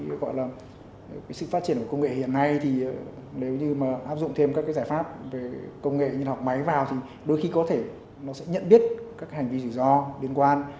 mới gọi là sự phát triển của công nghệ hiện nay thì nếu như mà áp dụng thêm các cái giải pháp về công nghệ như học máy vào thì đôi khi có thể nó sẽ nhận biết các hành vi rủi ro liên quan